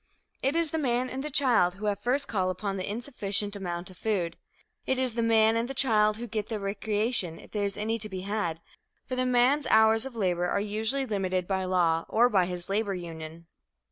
It is the man and the child who have first call upon the insufficient amount of food. It is the man and the child who get the recreation, if there is any to be had, for the man's hours of labor are usually limited by law or by his labor union.